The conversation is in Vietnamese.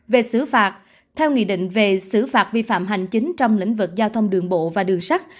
về xử phạt theo nghị định về xử phạt vi phạm hành chính trong lĩnh vực giao thông đường bộ và đường sắt